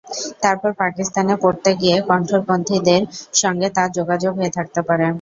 তারপর পাকিস্তানে পড়তে গিয়ে কট্টরপন্থীদের সঙ্গে তাঁর যোগাযোগ হয়ে থাকতে পারে।